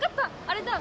あれだ！